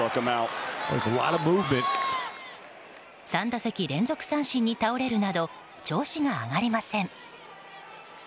３打席連続三振に倒れるなど調子が上がりません。